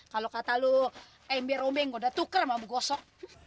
kalau kata lo ember rombeng udah tuker sama bukosok